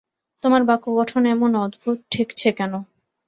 তোমার বাক্য গঠন এমন অদ্ভুত ঠেকছে কেন?